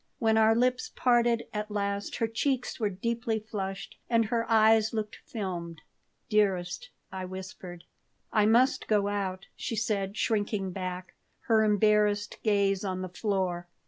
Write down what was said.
When our lips parted at last her cheeks were deeply flushed and her eyes looked filmed "Dearest," I whispered "I must go out," she said, shrinking back, her embarrassed gaze on the floor.